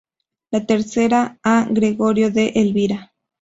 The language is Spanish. La tercera a Gregorio de Elvira.